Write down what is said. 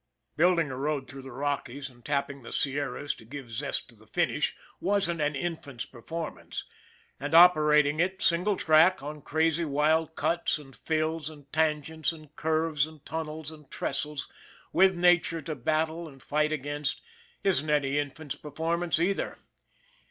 Building a road through the Rockies and tapping the Sierras to give zest to the finish wasn't an infant's performance; and operating it, single track, on crazy wild cuts and fills and tangents and curves and tun nels and trestles with nature to battle and fight against, isn't any infant's performance, either.